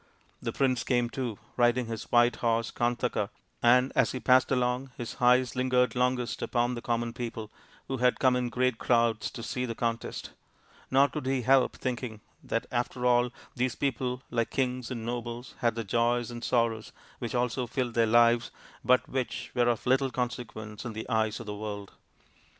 The prince came too, riding his white horse Kantaka, and as he passed along his eyes lingered longest upon the common people , who had come in great crowds to see the contest ; nor could he help thinking that, after all, these people, like kings and nobles, had their joys and sorrows which also filled their lives but which were of little consequence in the eyes of the world.